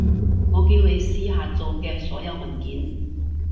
我叫你試下做嘅所有文件